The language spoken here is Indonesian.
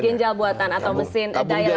ginjal buatan atau mesin